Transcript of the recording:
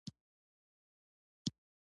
د اعتماد لپاره صداقت اړین دی